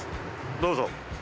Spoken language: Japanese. どうぞ。